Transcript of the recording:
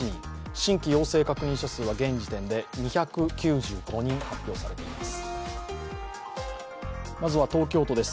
新規陽性確認者数は現時点で２９５人、発表されています。